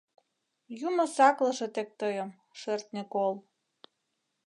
«Юмо саклыже тек тыйым, шӧртньӧ кол